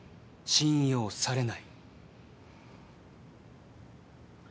信用されない。